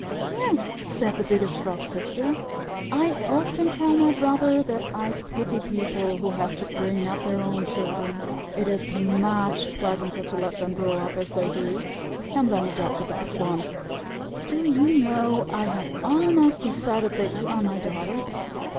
'" "Yes," said the Biggest Frog's Sister. "I often tell my brother that I pity people who have to bring up their own children. It is much pleasanter to let them grow up as they do and then adopt the best ones. Do you know, I have almost decided that you are my daughter?